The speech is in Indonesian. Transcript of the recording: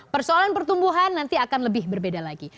persoalan pertumbuhan nanti akan lebih berbeda lagi